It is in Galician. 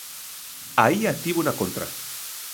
Aí a tivo na contra.